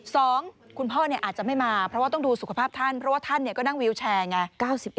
สองคุณพ่ออาจจะไม่มาเพราะว่าต้องดูสุขภาพท่านเพราะว่าท่านก็นั่งวิวแชร์ไง